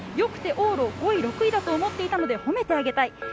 よくて往路５位６位だと思っていたので褒めてあげたい。